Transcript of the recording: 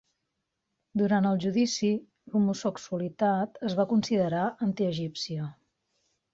Durant el judici, l'homosexualitat es va considerar "antiegípcia".